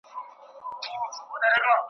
شاوخوا ټوله خالي ده بل ګلاب نه معلومیږي .